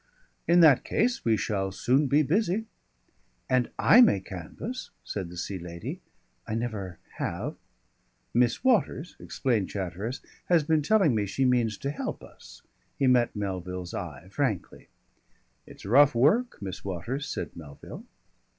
"In that case we shall soon be busy." "And I may canvass," said the Sea Lady. "I never have " "Miss Waters," explained Chatteris, "has been telling me she means to help us." He met Melville's eye frankly. "It's rough work, Miss Waters," said Melville.